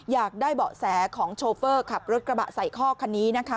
อยากได้เบาะแสของโชเฟอร์ขับรถกระบะใส่ข้อคันนี้นะคะ